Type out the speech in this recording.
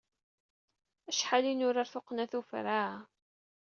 Acḥal i nurar tuqqna tuffra.